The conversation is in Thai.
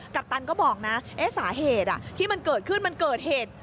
ปตันก็บอกนะสาเหตุที่มันเกิดขึ้นมันเกิดเหตุ